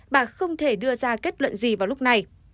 bà không thể đưa ra kết luận gì vào lúc này